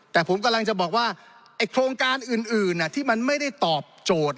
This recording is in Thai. แต่ผมกำลังจะบอกว่าไอ้โครงการอื่นที่มันไม่ได้ตอบโจทย์